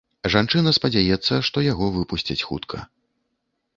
Жанчына спадзяецца, што яго выпусцяць хутка.